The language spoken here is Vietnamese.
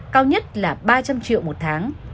cao nhất là ba trăm linh triệu một tháng